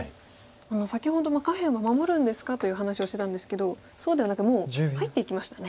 先ほど「下辺は守るんですか？」という話をしてたんですけどそうではなくもう入っていきましたね。